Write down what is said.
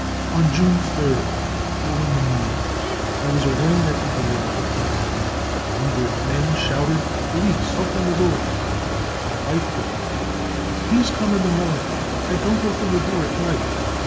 <c On June 3rd, at four in the morning, there was a ring at the door of the flat. A number of men shouted :£ Police ! Open the door ! 5 My wife replied : c Please come in the morning, I don't open the door at night.